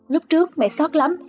lúc trước mẹ sót lắm